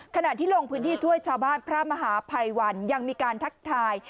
ขณะที่ลงพื้นที่ช่วยชาวบ้านพระมหาภัยวันยังมีการทักทาย